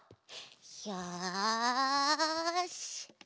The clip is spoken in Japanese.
よし。